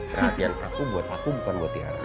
perhatian aku buat aku bukan buat tiara